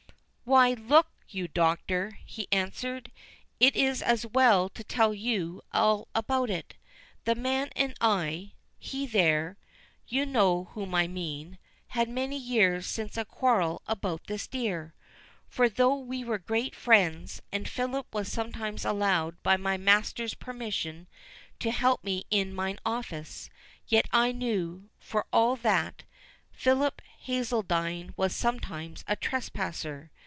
"Why, look you, Doctor," he answered, "it is as well to tell you all about it. The man and I—he there—you know whom I mean—had many years since a quarrel about this deer. For though we were great friends, and Philip was sometimes allowed by my master's permission to help me in mine office, yet I knew, for all that, Philip Hazeldine was sometimes a trespasser.